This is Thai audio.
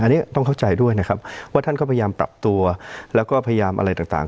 อันนี้ต้องเข้าใจด้วยนะครับว่าท่านก็พยายามปรับตัวแล้วก็พยายามอะไรต่าง